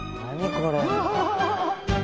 これ。